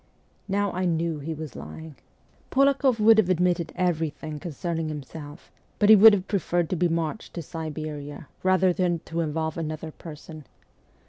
Now I knew he was lying. Polakoff would have admitted everything concerning himself ; but he would have preferred to be marched to Siberia rather than to involve another person.